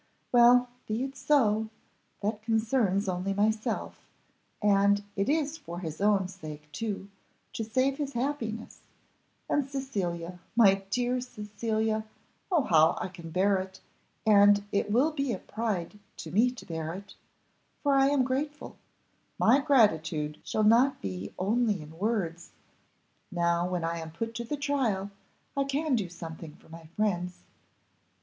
Well, be it so, that concerns only myself; and it is for his own sake too, to save his happiness; and Cecilia, my dear Cecilia, oh I can bear it, and it will be a pride to me to bear it, for I am grateful; my gratitude shall not be only in words; now, when I am put to the trial, I can do something for my friends.